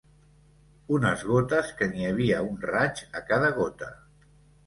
Unes gotes que n'hi havia un raig a cada gota